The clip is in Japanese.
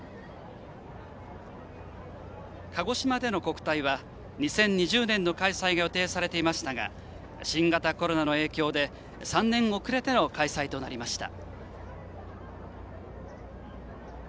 鹿児島での国体は２０２０年の開催が予定されていましたが新型コロナの影響で３年遅れての開催となりました。